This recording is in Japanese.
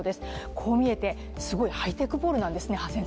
こう見えてすごいハイテクボールなんですね。